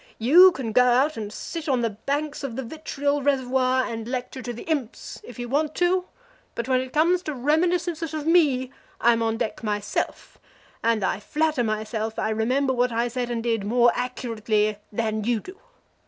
You can go out and sit on the banks of the Vitriol Reservoir and lecture to the imps if you want to, but when it comes to reminiscences of me I'm on deck myself, and I flatter myself I remember what I said and did more accurately than you do.